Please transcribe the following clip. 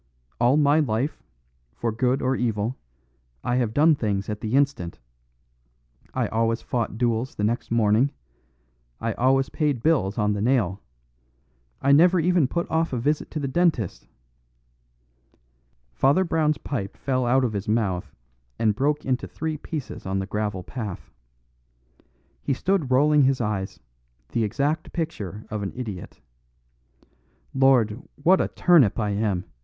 All my life, for good or evil, I have done things at the instant; I always fought duels the next morning; I always paid bills on the nail; I never even put off a visit to the dentist " Father Brown's pipe fell out of his mouth and broke into three pieces on the gravel path. He stood rolling his eyes, the exact picture of an idiot. "Lord, what a turnip I am!"